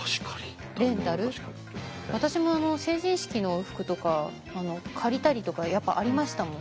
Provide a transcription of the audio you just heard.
私も成人式の服とか借りたりとかやっぱありましたもん。